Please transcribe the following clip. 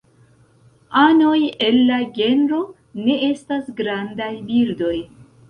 Anoj el la genro ne estas grandaj birdoj.